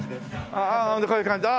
ああこういう感じで。